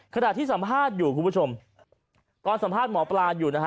ขณะที่สัมภาษณ์อยู่คุณผู้ชมตอนสัมภาษณ์หมอปลาอยู่นะฮะ